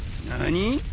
何？